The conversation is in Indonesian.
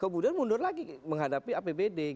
kemudian mundur lagi menghadapi apbd